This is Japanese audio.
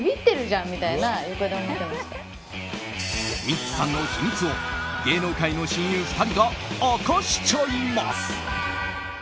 ミッツさんの秘密を芸能界の親友２人が明かしちゃいます。